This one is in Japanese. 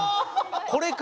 これか！